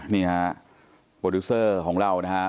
นี่ฮะโปรดิวเซอร์ของเรานะฮะ